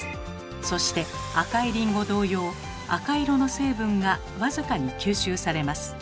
そして赤いりんご同様赤色の成分が僅かに吸収されます。